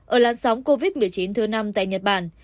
ở làn sóng covid một mươi chín thứ năm tại nhật bản